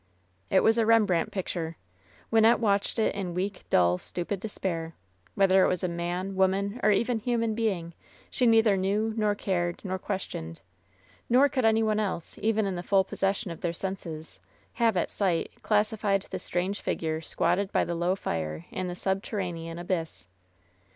It was a Rembrandt picture. Wynnette watched it in weak, dull, stupid despair. Whether it was man, woman, or even human being, she neither knew, nor cared, nor questioned. Nor could any one else, even in the full possession of their senses, have, at sight, classified the strange figure squatted by the low fire in tie subterranean abyss.